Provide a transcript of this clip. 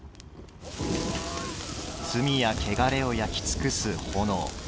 罪や穢れを焼き尽くす炎。